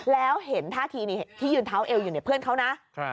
แล้วเห็นท่าทีนี่ที่ยืนเท้าเอวอยู่เนี่ยเพื่อนเขานะ